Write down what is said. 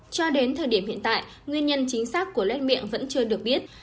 cho đến thời điểm hiện tại nguyên nhân chính xác của led miệng vẫn chưa được biết